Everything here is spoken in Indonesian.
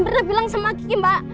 mbak mirna bilang semua kiki mbak